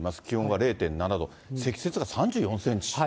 気温は０．７度、積雪が３４センチ。